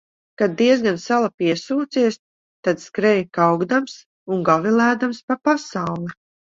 Kad diezgan sala piesūcies, tad skrej kaukdams un gavilēdams pa pasauli.